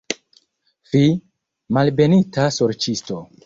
Fi, malbenita sorĉisto!